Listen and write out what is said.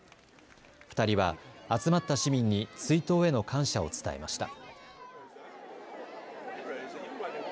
２人は集まった市民に追悼への感謝を伝えました。